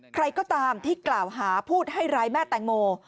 ใครก็ตามที่กล่าวหาพูดให้ร้ายแม่แตงโม